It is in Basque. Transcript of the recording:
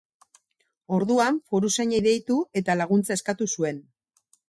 Orduan, foruzainei deitu eta laguntza eskatu zuen.